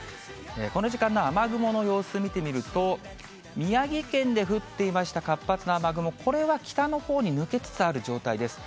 この時間の雨雲の様子見てみると、宮城県で降っていました活発な雨雲、これは北のほうに抜けつつある状態です。